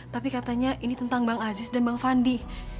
tapi katanya ini tentang bang ajiis dan bang pandi